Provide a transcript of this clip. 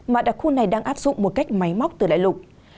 mà đặc khu này đang áp dụng một cách máy móc từ đại lục